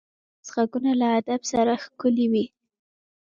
د مجلس غږونه له ادب سره ښکلي وي